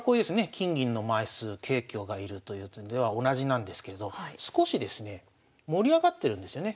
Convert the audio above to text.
金銀の枚数桂香が居るという点では同じなんですけれど少しですね盛り上がってるんですよね